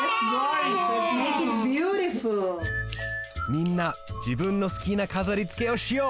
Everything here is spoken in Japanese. みんなじぶんのすきなかざりつけをしよう！